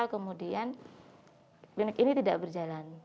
klinik ini tidak berjalan